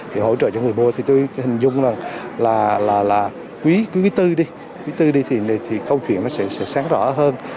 để hỗ trợ cho người mua thì tôi hình dung là quý quý tư đi quý tư đi thì câu chuyện nó sẽ sáng rõ hơn